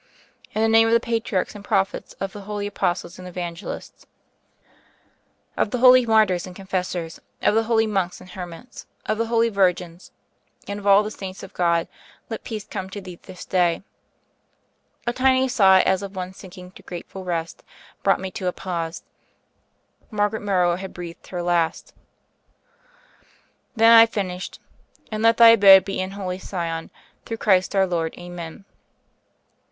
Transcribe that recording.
"In the name of the Patriarchs and Prophets, of the Holy Apostles and Evangelists, of the 112 THE FAIRY OF THE SNOWS Holy Martyrs and Confessors, of the Holy Monks and Hermits, of the Holy Virgins and of all the Saints of God ; let peace come to thee this day——" A tiny sigh, as of one sinking to grateful rest, brought me to a pause. Margaret Morrow had breathed her last. Then I finished : *'And let thy abode be in Holy Sion : through Christ our Lord, Amen."